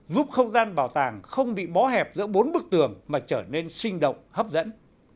giúp không gian bảo tàng không bị bó hẹp giữa bốn bức tường mà trở nên sinh động hấp dẫn